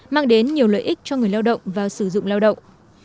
mang đến nhiều lợi ích cho người lao động và sử dụng lao động